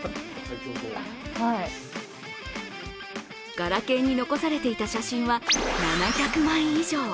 ガラケーに残されていた写真は７００枚以上。